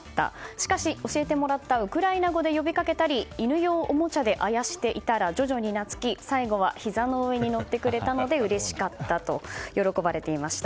しかし、教えてもらったウクライナ語で呼びかけたり犬用おもちゃであやしていたら徐々になつき最後はひざの上にのってくれたのでうれしかったと喜ばれていました。